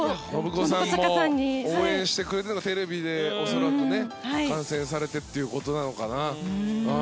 信子さんも応援してくれてテレビで恐らく観戦されてということなのかな。